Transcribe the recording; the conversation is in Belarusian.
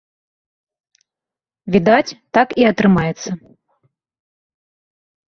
Відаць, так і атрымаецца.